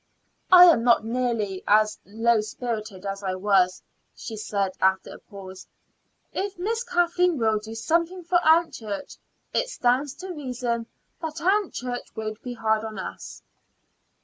"I am not nearly as low spirited as I was," she said after a pause. "If Miss Kathleen will do something for Aunt Church, it stands to reason that Aunt Church won't be hard on us."